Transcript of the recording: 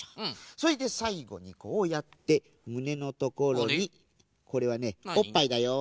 それでさいごにこうやってむねのところにこれはねおっぱいだよ。